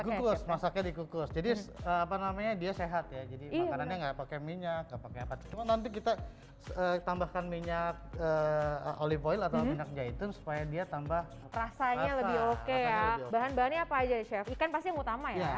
dikukus masaknya dikukus jadi apa namanya dia sehat ya jadi makanannya nggak pakai minyak nggak pakai apa cuma nanti kita tambahkan minyak olivoil atau minyak jahitung supaya dia tambah rasanya lebih oke ya bahan bahannya apa aja chef ikan pasti utama ya